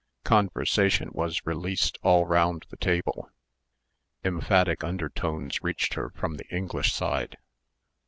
Conversation was released all round the table. Emphatic undertones reached her from the English side.